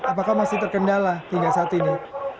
apakah masih terkendala hingga saat ini